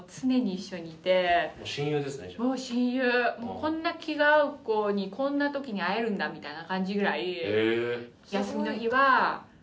こんな気が合う子にこんな時に会えるんだみたいな感じぐらい。